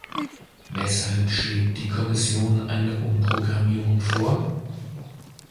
Weshalb schlägt die Kommission eine Umprogrammierung vor?